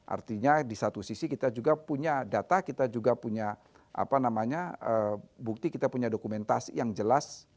artinya di satu sisi kita juga punya data kita juga punya bukti kita punya dokumentasi yang jelas